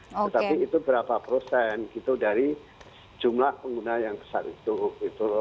tetapi itu berapa prosen gitu dari jumlah pengguna yang besar itu